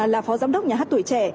là phó giám đốc nhà hát tuổi trẻ